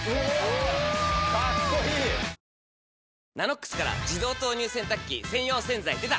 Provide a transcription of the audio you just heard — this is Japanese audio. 「ＮＡＮＯＸ」から自動投入洗濯機専用洗剤でた！